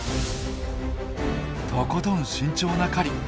とことん慎重な狩り。